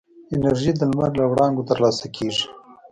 انرژي د لمر له وړانګو ترلاسه کېږي.